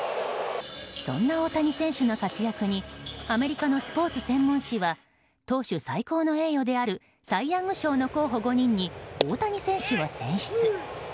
そんな大谷選手の活躍にアメリカのスポーツ専門誌は投手最高の栄誉であるサイ・ヤング賞の候補５人に大谷選手を選出。